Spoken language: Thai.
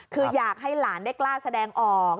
คืออยากให้หลานได้กล้าแสดงออก